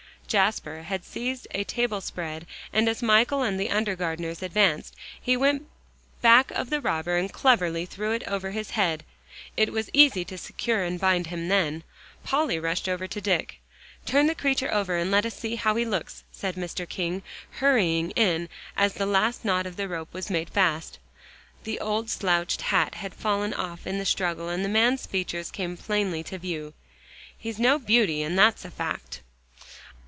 Jasper had seized a table spread, and as Michael and the undergardeners advanced, he went back of the robber, and cleverly threw it over his head. It was easy to secure and bind him then. Polly rushed over to Dick. "Turn the creature over and let us see how he looks," said Mr. King, hurrying in as the last knot of the rope was made fast. The old slouched hat had fallen off in the struggle, and the man's features came plainly to view. "He's no beauty, and that's a fact."